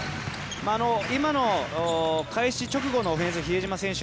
今の開始直後のオフェンス比江島選手